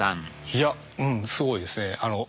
いやうんすごいですね。